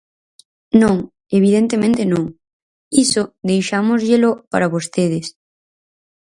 Non, evidentemente non, iso deixámosllelo para vostedes.